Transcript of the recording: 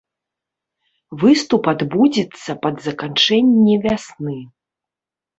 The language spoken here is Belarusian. Выступ адбудзецца пад заканчэнне вясны.